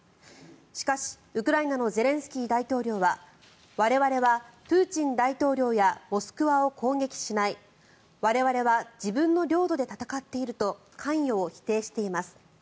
しかし、ウクライナのゼレンスキー大統領は我々はプーチン大統領やモスクワを攻撃しない我々は自分の領土で戦っていると関与を否定しています。